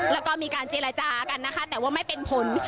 แล้วก็มีการเจรจากันนะคะแต่ว่าไม่เป็นผล